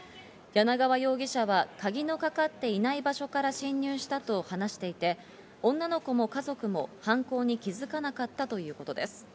柳川容疑者は鍵のかかっていない場所から侵入したと話していて、女の子も家族も犯行に気づかなかったということです。